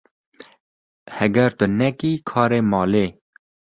Heger tu nekî karê malê